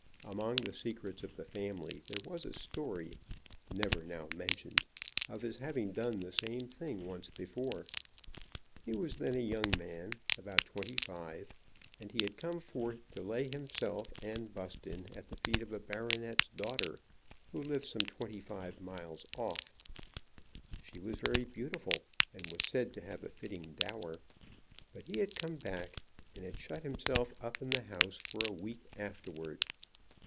Among the secrets of the family there was a story, never now mentioned, of his having done the same thing, once before. He was then a young man, about twenty five, and he had come forth to lay himself and Buston at the feet of a baronet's daughter who lived some twenty five miles off. She was very beautiful, and was said to have a fitting dower, but he had come back, and had shut himself up in the house for a week afterward.